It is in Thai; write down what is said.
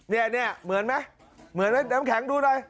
นี่เหมือนไหมน้ำแข็งดูหน่อย